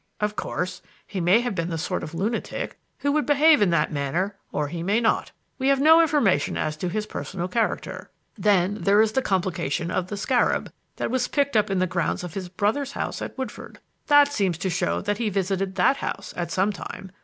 Of course, he may have been the sort of lunatic who would behave in that manner or he may not. We have no information as to his personal character. "Then there is the complication of the scarab that was picked up in the grounds of his brother's house at Woodford. That seems to show that he visited that house at some time.